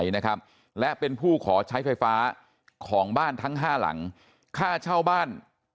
นะครับและเป็นผู้ขอใช้ไฟฟ้าของบ้านทั้งห้าหลังค่าเช่าบ้าน